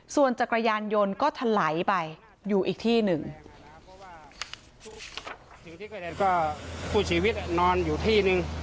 ส่วนจักรยานยนต์ก็ถลายไปอยู่อีกที่หนึ่ง